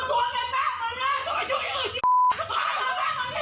กลับมาพร้อมขอบความ